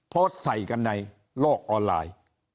โพสต์ใส่กันในโลกออนไลน์